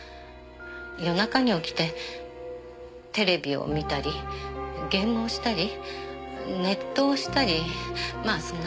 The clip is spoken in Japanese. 夜中に起きてテレビを見たりゲームをしたりネットをしたりまあそんな感じで。